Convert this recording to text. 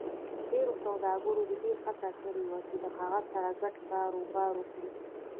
ډېرو سوداګرو د دې هڅه کړې وه چې له هغه سره ګډ کاروبار وکړي.